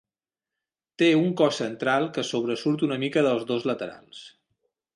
Té un cos central que sobresurt una mica dels dos laterals.